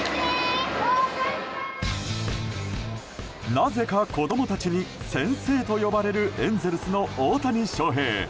なぜか子供たちに先生と呼ばれるエンゼルスの大谷翔平。